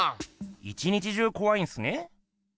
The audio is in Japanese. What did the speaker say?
一日中こわいんすね？